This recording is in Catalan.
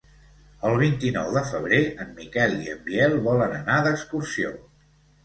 El vint-i-nou de febrer en Miquel i en Biel volen anar d'excursió.